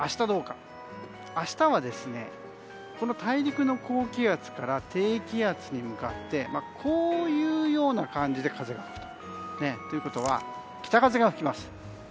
明日は大陸の高気圧から低気圧に向かってこういうような感じで風が吹くと。ということは北風が吹きます。